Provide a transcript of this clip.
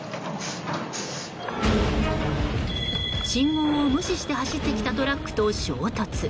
信号を無視して走ってきたトラックと衝突。